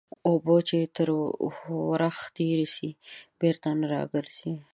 اوبه چې تر ورخ تېري سي بېرته نه راګرځي.